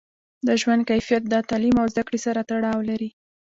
د ژوند کیفیت د تعلیم او زده کړې سره تړاو لري.